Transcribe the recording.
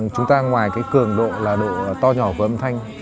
chúng ta ngoài cái cường độ là độ to nhỏ của âm thanh